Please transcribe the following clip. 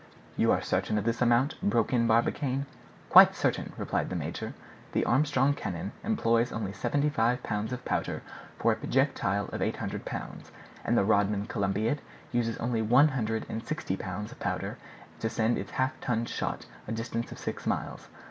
"You are certain of this amount?" broke in Barbicane. "Quite certain," replied the major. "The Armstrong cannon employs only seventy five pounds of powder for a projectile of eight hundred pounds, and the Rodman Columbiad uses only one hundred and sixty pounds of powder to send its half ton shot a distance of six miles.